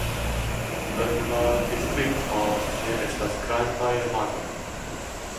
En la distrikto ne estas grandaj lagoj.